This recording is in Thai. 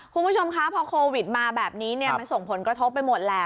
คุณผู้ชมคะพอโควิดมาแบบนี้มันส่งผลกระทบไปหมดแหละ